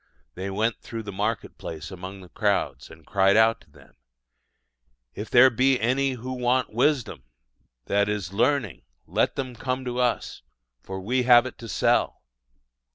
They went through the market place among the crowds, and cried out to them: "If there be any who want wisdom (i.e., learning), let them come to us, for we have it to sell."